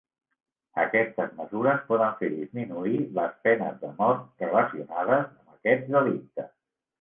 Aquestes mesures poden fer disminuir les penes de mort relacionades amb aquests delictes.